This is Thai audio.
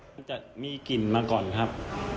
มันจะมีกลิ่นมาก่อนครับ